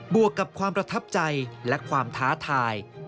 วกกับความประทับใจและความท้าทาย